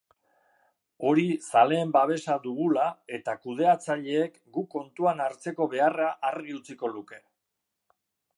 Hori zaleen babesa dugula eta kudeatzaileek gu kontuan hartzeko beharra argi utziko luke.